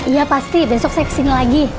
iya pasti besok saya kesini lagi